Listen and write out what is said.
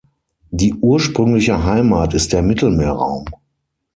Die ursprüngliche Heimat ist der Mittelmeerraum.